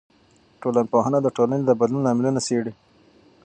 ټولنپوهنه د ټولنې د بدلون لاملونه څېړي.